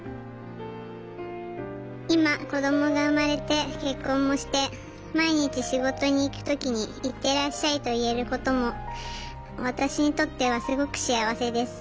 今子どもが生まれて結婚もして毎日仕事に行く時に『いってらっしゃい』と言えることも私にとってはすごく幸せです。